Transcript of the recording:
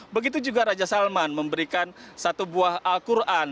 begitu juga raja salman memberikan satu buah al quran